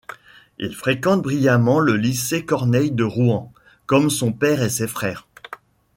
Il fréquente brillamment le lycée Corneille de Rouen, comme son père et ses frères.